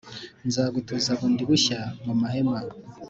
Nzagutuza bundi bushya mu mahema